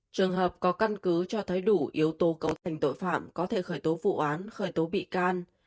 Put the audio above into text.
trường hợp có căn cứ cho thấy đủ yếu tố cấu thành tội phạm có thể khởi tố vụ án khởi tố bị can